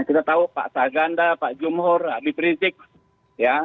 kita tahu pak saganda pak jumhor abib rizik ya